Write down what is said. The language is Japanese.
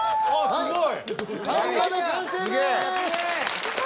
すごい。